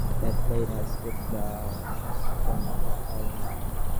That lad has kept the Consortium up all night.